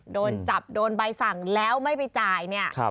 โดนจับโดนใบสั่งแล้วไม่ไปจ่ายเนี่ย